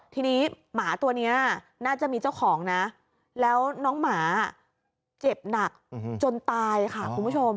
ทีนี้หมาตัวนี้น่าจะมีเจ้าของนะแล้วน้องหมาเจ็บหนักจนตายค่ะคุณผู้ชม